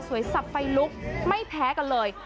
สับไฟลุกไม่แพ้กันเลย